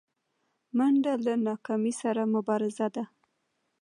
منډه له ناکامۍ سره مبارزه ده